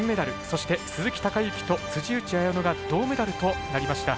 そして鈴木孝幸と辻内彩野が銅メダルとなりました。